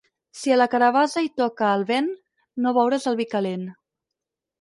Si a la carabassa hi toca el vent, no beuràs el vi calent.